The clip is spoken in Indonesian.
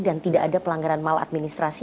dan tidak ada pelanggaran maladministrasi